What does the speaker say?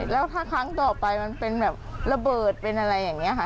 แล้วถ้าครั้งต่อไปมันเป็นแบบระเบิดเป็นอะไรอย่างนี้ค่ะ